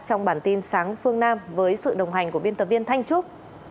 trong bản tin sáng phương nam với sự đồng hành của biên tập viên thanh trúc